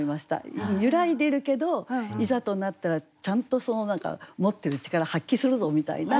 揺らいでいるけどいざとなったらちゃんとその何か持ってる力発揮するぞみたいな。